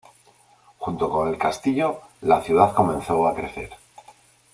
Junto con el castillo, la ciudad comenzó a crecer.